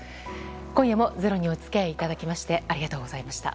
今夜も「ｚｅｒｏ」にお付き合いいただきましてありがとうございました。